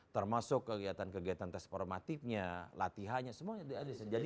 termasuk kegiatan kegiatan transformativenya latihanya semuanya ada di sana